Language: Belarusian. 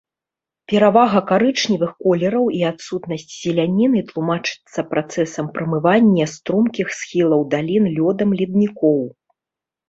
Перавага карычневых колераў і адсутнасць зеляніны тлумачыцца працэсам прамывання стромкіх схілаў далін лёдам леднікоў.